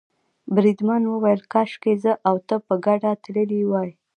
بریدمن وویل کاشکې زه او ته په ګډه تللي وای.